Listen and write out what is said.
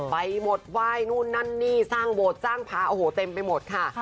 ไปหมดไหว้นู่นนั่นนี่สร้างโบสถสร้างพระโอ้โหเต็มไปหมดค่ะ